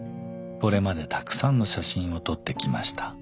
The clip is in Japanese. これまでたくさんの写真を撮ってきました。